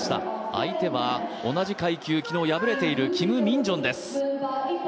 相手は、同じ階級昨日、敗れているキム・ミンジョンです。